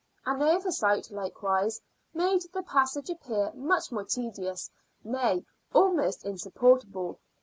An oversight likewise made the passage appear much more tedious, nay, almost insupportable.